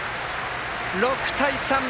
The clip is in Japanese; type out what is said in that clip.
６対３。